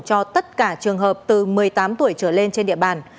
cho tất cả trường hợp từ một mươi tám tuổi trở lên trên địa bàn